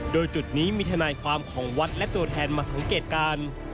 โดยจุดนี้มีทนายความของวัดและตัวแทนมาสังเกตการ